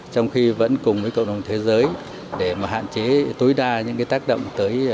trong khi vẫn cùng với cộng đồng thế giới để mà hạn chế tối đa những cái tác động